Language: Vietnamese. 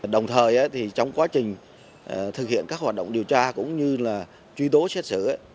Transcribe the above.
đồng thời trong quá trình thực hiện các hoạt động điều tra cũng như truy tố xét xử